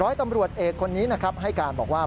ร้อยตำรวจเอกคนนี้นะครับให้การบอกว่า